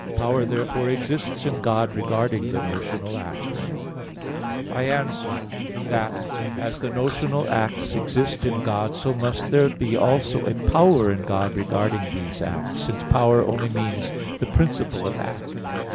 Power therefore exists in God regarding the notional acts. I answer that, As the notional acts exist in God, so must there be also a power in God regarding these acts; since power only means the principle of act.